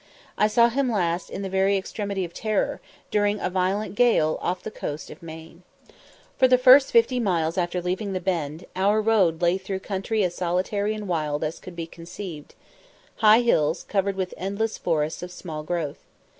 I saw him last in the very extremity of terror, during a violent gale off the coast of Maine. For the first fifty miles after leaving the Bend, our road lay through country as solitary and wild as could be conceived high hills, covered with endless forests of small growth.